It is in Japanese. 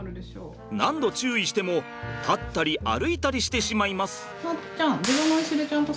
何度注意しても立ったり歩いたりしてしまいます。